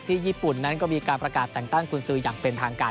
ญี่ปุ่นนั้นก็มีการประกาศแต่งตั้งกุญสืออย่างเป็นทางการ